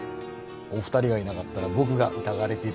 お二人がいなかったら僕が疑われていたかもしれない。